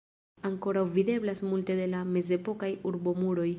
Ankoraŭ videblas multe de la mezepokaj urbomuroj.